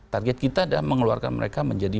target kita adalah mengeluarkan mereka menjadi